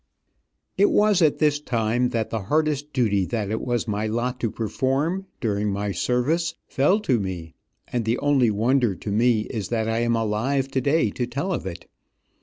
It was at this time that the hardest duty that it was my lot to perform during my service, fell to me, and the only wonder to me is that I am alive today to tell of it.